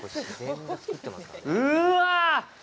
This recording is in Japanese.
うわ！